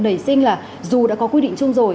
nảy sinh là dù đã có quy định chung rồi